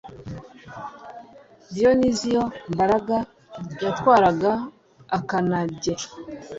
Diyoniziyo Mbaraga yatwaraga Akanage